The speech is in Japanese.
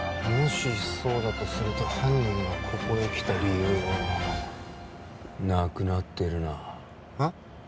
もしそうだとすると犯人がここへ来た理由はなくなってるなうんっ？